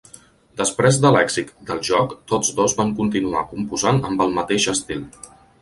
Després de l'èxit del joc, tots dos van continuar composant amb el mateix estil.